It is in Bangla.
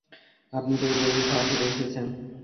আপনি তো উপরেই খাওয়া সেরে এসেছেন।